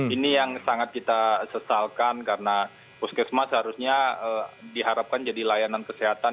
ini yang sangat kita sesalkan karena puskesmas harusnya diharapkan jadi layanan kesehatan